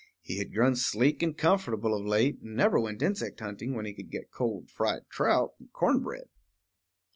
He had grown sleek and comfortable of late, and never went insect hunting when he could get cold fried trout and corn bread.